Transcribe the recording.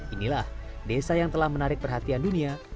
inilah desa yang telah menarik perhatian dunia